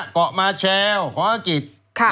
เกาะมาแชลของอังกฤษ